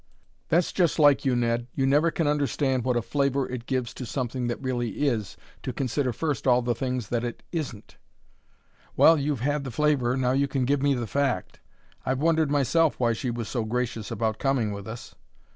"That's just like you, Ned. You never can understand what a flavor it gives to something that really is to consider first all the things that it isn't." "Well, you've had the flavor, now you can give me the fact. I've wondered myself why she was so gracious about coming with us."